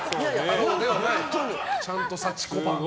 ちゃんと幸子版。